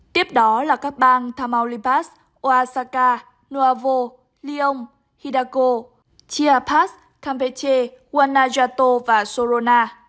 tiếp đó là các bang tamaulipas oaxaca nuevo lyon hidako chiapas campeche guanajuato và sorona